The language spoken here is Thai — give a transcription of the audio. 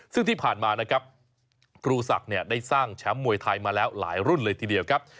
ซึ่งที่ผ่านมานะครับครูศักดิ์ได้สร้างแชมป์มวยไทยมาแล้วหลายรุ่นเลยทีเดียวครับ